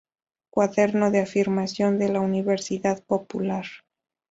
Cuaderno de afirmación de la Universidad Popular".